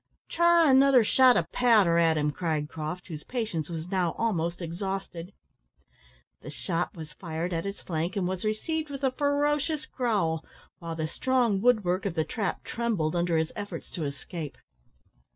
"Try another shot of powder at him," cried Croft, whose patience was now almost exhausted. The shot was fired at his flank, and was received with a ferocious growl, while the strong wood work of the trap trembled under his efforts to escape.